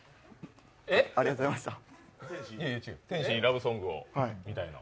「天使にラブソングを」みたいの。